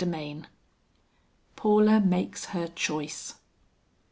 XXXIV. PAULA MAKES HER CHOICE.